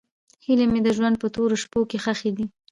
هیلې مې د ژوند په تورو شپو کې ښخې دي.